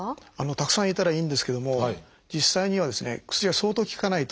たくさんいたらいいんですけども実際にはですね薬が相当効かないと。